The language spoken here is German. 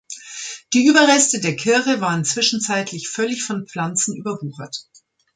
Die Überreste der Kirche waren zwischenzeitlich völlig von Pflanzen überwuchert.